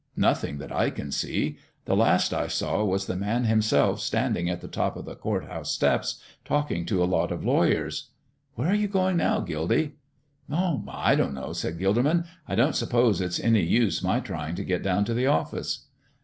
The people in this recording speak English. "Nothing that I can see. The last I saw was the Man himself standing at the top of the court house steps talking to a lot of lawyers. Where are you going now, Gildy?" "Oh, I don't know," said Gilderman. "I don't suppose it's any use my trying to get down to the office."